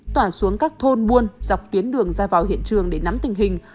tỏa xuống các thôn buôn dọc tuyến đường ra vào hiện trường để nắm tình hình